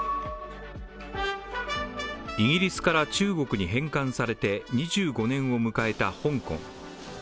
イギリスから中国に返還されて２５年を迎えた香港。